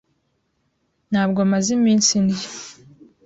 Ntabwo maze iminsi ndya.